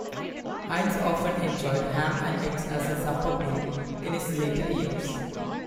Hines often enjoyed ham and eggs as a supper meal in his later years.